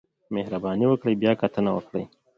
مهرباني وکړئ بیاکتنه وکړئ